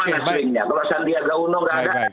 kalau sandiaga uno tidak ada